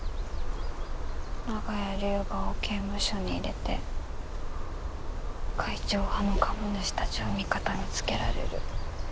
長屋龍河を刑務所に入れて会長派の株主たちを味方につけられる。